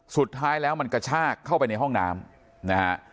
สุดท้ายแล้วมันกระชากเข้าไปในห้องน้ำนะฮะ